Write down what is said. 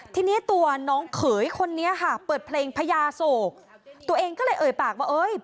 ทีนี้ตัวน้องเขยคนนี้ค่ะเปิดเพลงพญาโศกตัวเองก็เลยเอ่ยปากว่าเอ้ย